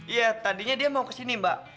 iya tadinya dia mau ke sini mbak